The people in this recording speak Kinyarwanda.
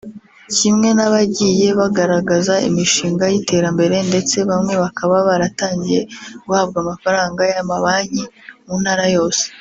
kimwe n’abagiye bagaragaza imishinga y’iterambere ndetse bamwe bakaba baratangiye guhabwa amafaranga y’amabanki mu ntara yose